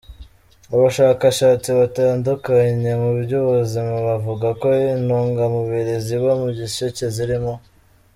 Abashakashatsi batandukanye mu by’ubuzima bavuga ko intungamubiri ziba mu gisheke zirimo:.